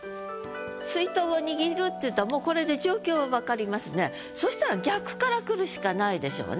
水筒を握るっていったらもうこれでそしたら逆からくるしかないでしょうね。